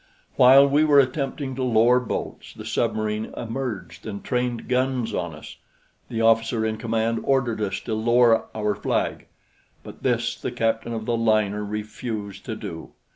While we were attempting to lower boats, the submarine emerged and trained guns on us. The officer in command ordered us to lower our flag, but this the captain of the liner refused to do.